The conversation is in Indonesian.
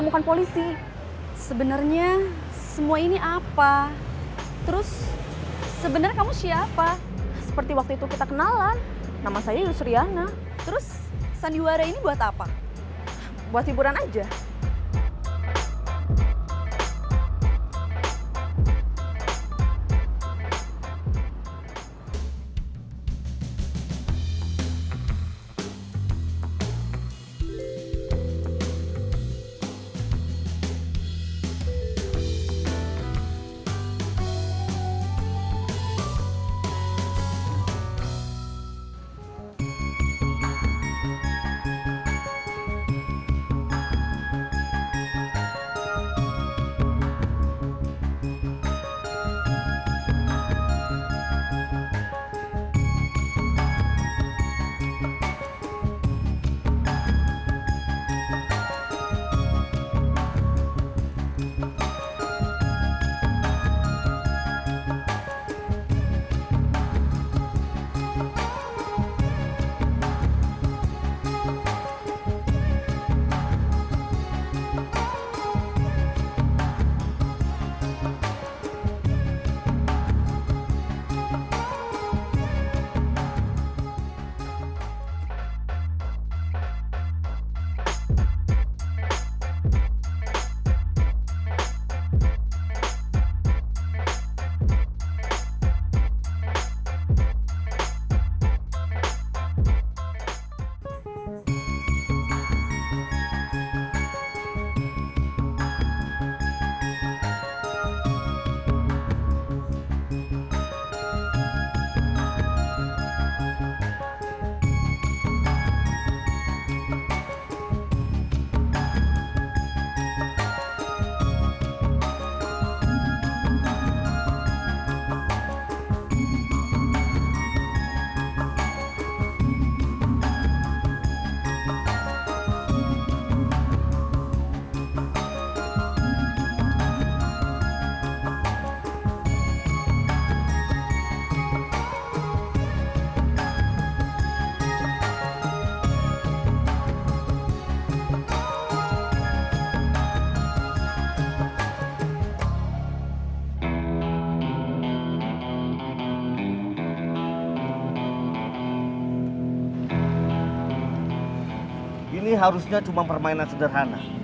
maaf bos saya mainnya kurang rapih